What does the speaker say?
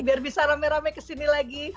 biar bisa rame rame kesini lagi